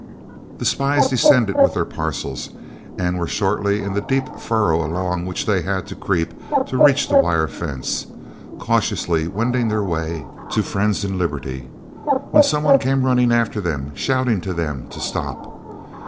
The spies descended with their parcels, and were shortly in the deep furrow along which they had to creep to reach the wire fence, cautiously wending their way to friends and liberty, when some one came running after them, shouting to them to stop.